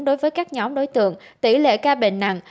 đối với các nhóm đối tượng tỷ lệ ca bệnh nặng